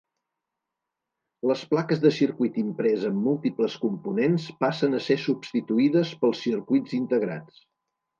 Les plaques de circuit imprès amb múltiples components passen a ser substituïdes pels circuits integrats.